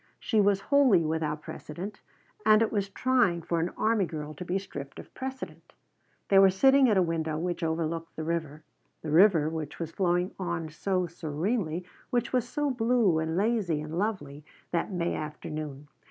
She was wholly without precedent, and it was trying for an army girl to be stripped of precedent. They were sitting at a window which overlooked the river; the river which was flowing on so serenely, which was so blue and lazy and lovely that May afternoon.